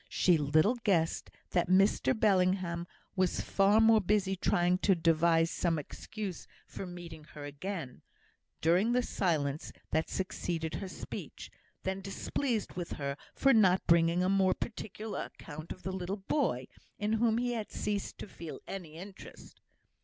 She little guessed that Mr Bellingham was far more busy trying to devise some excuse for meeting her again, during the silence that succeeded her speech, than displeased with her for not bringing a more particular account of the little boy, in whom he had ceased to feel any interest.